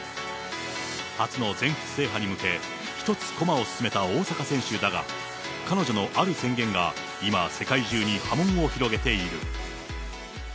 初の全仏制覇に向け、１つ駒を進めた大坂選手だが、彼女のある宣言が、今、世界中に波紋を広げている。